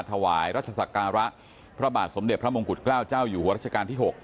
ถวายรัชศักระพระบาทสมเด็จพระมงกุฎเกล้าเจ้าอยู่หัวรัชกาลที่๖